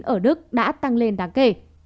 ở đức đã tăng lên đáng kể